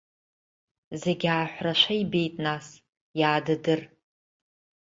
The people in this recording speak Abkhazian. Зегь ааҳәрашәа ибеит нас, иаадыдыр.